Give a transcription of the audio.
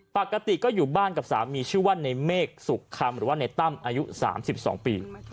ปกติก็อยู่บ้านกับสามีชื่อว่าในเมฆสุขคำหรือว่าในตั้มอายุ๓๒ปี